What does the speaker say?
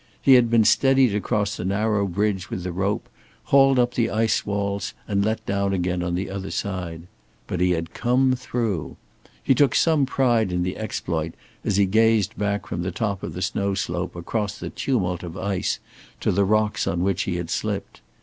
He had been steadied across the narrow bridge with the rope, hauled up the ice walls and let down again on the other side. But he had come through. He took some pride in the exploit as he gazed back from the top of the snow slope across the tumult of ice to the rocks on which he had slipped.